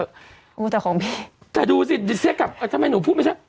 เออแต่ของพี่แต่ดูสิเสียงให้กลับอ่ะทำไมหนูพูดไม่ชัด